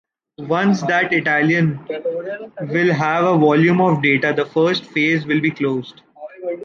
Once that Italian will have a volume of data, the first phase will be closed.